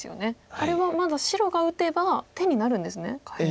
あれはまだ白が打てば手になるんですね下辺。